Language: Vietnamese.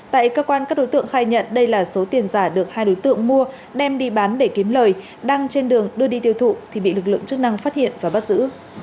tại cơ quan các đối tượng khai nhận đây là số tiền giả được hai đối tượng mua đem đi bán để kiếm lời đang trên đường đưa đi tiêu thụ thì bị lực lượng chức năng phát hiện và bắt giữ